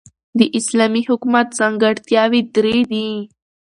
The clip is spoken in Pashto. د اسلامی حکومت ځانګړتیاوي درې دي.